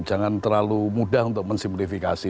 jangan terlalu mudah untuk mensimplifikasi